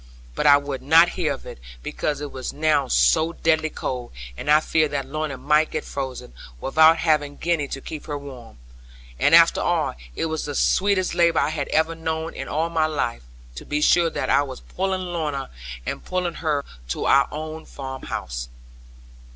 But I would not hear of it; because it was now so deadly cold, and I feared that Lorna might get frozen, without having Gwenny to keep her warm. And after all, it was the sweetest labour I had ever known in all my life, to be sure that I was pulling Lorna, and pulling her to our own farmhouse.